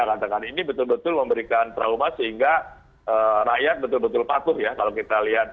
katakan ini betul betul memberikan trauma sehingga rakyat betul betul patuh ya kalau kita lihat